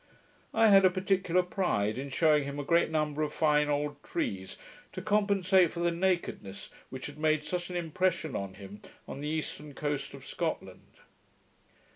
I had a particular pride in shewing him a great number of fine old trees, to compensate for the nakedness which had made such an impression on him on the eastern coast of Scotland.